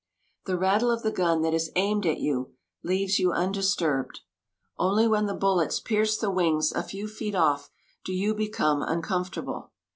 The rattle of the gun that is aimed at you leaves you undisturbed. Only when the bullets pierce the wings a few feet off do you become uncomfortable.